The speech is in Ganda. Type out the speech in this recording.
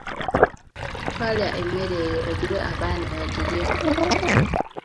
Twala emmere eyo ogiwe abaana bagirye.